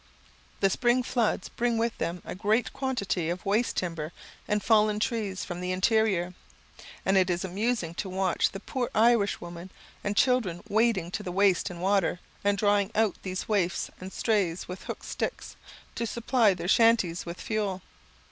The spring floods bring with them a great quantity of waste timber and fallen trees from the interior; and it is amusing to watch the poor Irishwomen and children wading to the waist in the water, and drawing out these waifs and strays with hooked sticks, to supply their shanties with fuel.